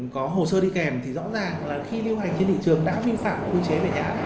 có hồ sơ đi kèm thì rõ ràng là khi lưu hành trên thị trường đã vi phạm quy chế về thẻ